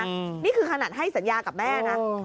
นี่คือขนาดให้สัญญากับแม่นะ